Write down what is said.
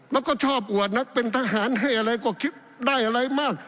แล้วก็ชอบอวดนักเป็นทหารให้อะไรก็คิดได้อะไรมาก